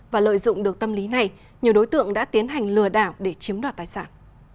và lợi dụng được tâm lý này nhiều đối tượng đã tiến hành lừa đảo để chiếm đoạt tài sản